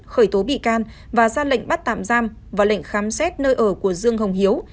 khởi tố bị can và ra lệnh bắt tạm giam và lệnh khám xét nơi ở của dương hồng hiếu